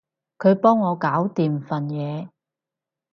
佢幫我搞掂份嘢